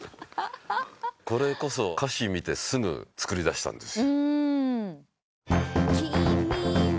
これこそ歌詞見てすぐ作り出したんです。